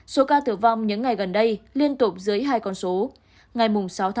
số ca tử vong những ngày gần đây liên tục dưới hệ thống quốc gia quản lý ca bệnh